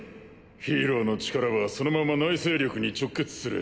ヒーローの力はそのまま内政力に直結する。